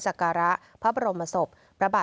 ทุนกรมอ่อมหญิงอุบลรัฐราชกัญญาสรีวัฒนาพันธวดี